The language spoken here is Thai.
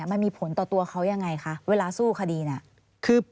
มันมีผลต่อตัวเขายังไงคะเวลาสู้คดีเนี่ย